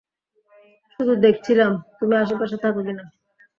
শুধু দেখছিলাম, তুমি আশপাশে থাকো কি-না।